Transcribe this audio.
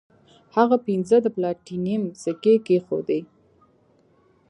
هغه پنځه د پلاټینم سکې کیښودې.